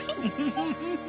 フフフ。